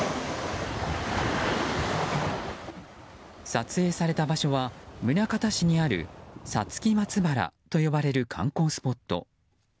撮影された場所は、宗像市にあるさつき松原と呼ばれる観光スポット。